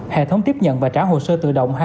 hệ thống tiếp nhận và trả hồ sơ tự động